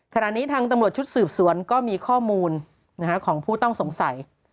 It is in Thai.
ขณะนี้ทางตำรวจชุดสืบสวนก็มีข้อมูลของผู้ต้องสงสัย